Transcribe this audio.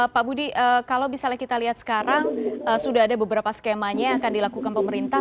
pak budi kalau misalnya kita lihat sekarang sudah ada beberapa skemanya yang akan dilakukan pemerintah